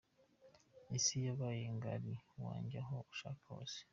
Isi yabaye ngari wajya aho ushaka hose.